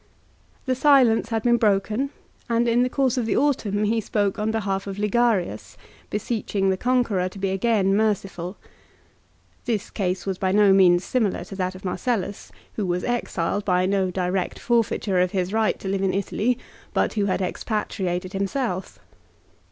The silence had been broken, and in the course of the B c 46 au ^ umn ne spoke on behalf of Ligarius, beseeching setat. 61. ^g con q ueror to be again merciful. This case was by no means similar to that of Marcellus, who was exiled by no direct forfeiture of his right to live in Italy, but who had expatriated himself.